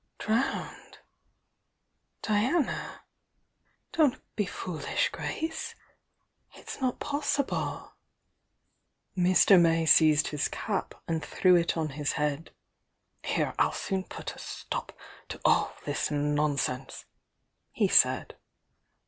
"Drowned! Diana! Don't be foolish, Grace! It's not possible!" Mr. May seized his cap and threw it on his head. "Here, I'll soon put a stop to all this nonsense!" he said.